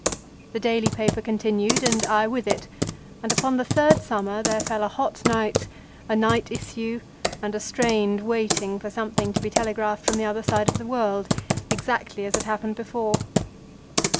The daily paper continued and I with it, and upon the third summer there fell a hot night, a night issue, and a strained waiting for something to be telegraphed from the other side of the world, exactly as had happened before.